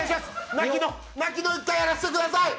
泣きの１回やらせてください！